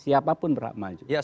siapapun berhampir maju